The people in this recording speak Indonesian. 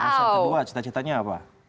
yang kedua cita citanya apa